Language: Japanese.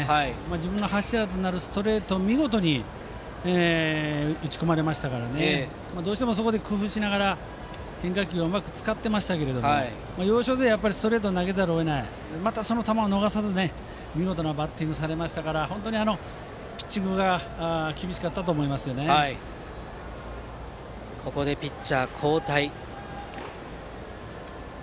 自分の柱となるストレートを見事に打ち込まれましたからどうしても、工夫して変化球をうまく使ってましたが要所でストレートを投げざるを得ないまた、その球を逃さず見事なバッティングをされましたからピッチングがここでピッチャー交代。